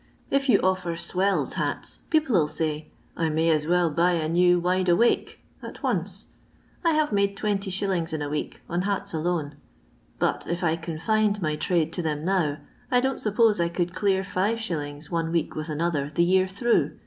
If you offer swelU' hats, people 'II fay :' I may as well buy a new " wide awake '* at once.* I have made 20«. in a week on hata alone. But if I confined my trade to them now, I dun t suppose I could clear hi. one week with another the year through.